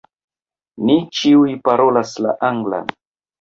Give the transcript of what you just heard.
Ni ĉiuj parolas la anglan.